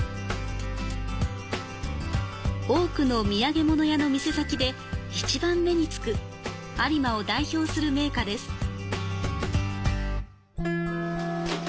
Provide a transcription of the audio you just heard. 多くの土産物屋の店先で一番目につく、有馬を代表する銘菓です。